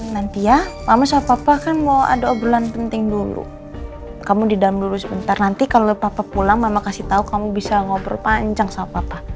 nanti ya mama sama papa kan mau ada oblan penting dulu kamu di dalam dulu sebentar nanti kalau papa pulang mama kasih tahu kamu bisa ngobrol panjang sama papa